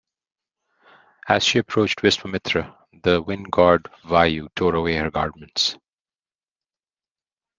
As she approached Viswamitra, the wind god Vayu tore away her garments.